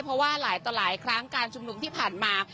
เพราะว่าหลายต่อหลายครั้งการชุมนุมที่ผ่านมา